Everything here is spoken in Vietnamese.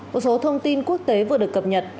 một số thông tin quốc tế vừa được cập nhật